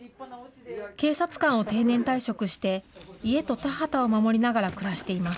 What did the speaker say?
警察官を定年退職して、家と田畑を守りながら暮らしています。